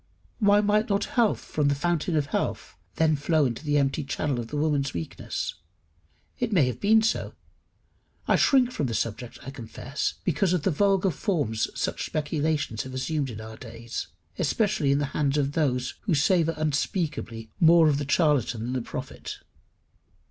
Why might not health from the fountain of health flow then into the empty channel of the woman's weakness? It may have been so. I shrink from the subject, I confess, because of the vulgar forms such speculations have assumed in our days, especially in the hands of those who savour unspeakably more of the charlatan than the prophet.